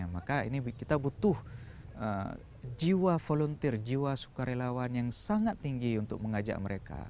maka ini kita butuh jiwa volunteer jiwa sukarelawan yang sangat tinggi untuk mengajak mereka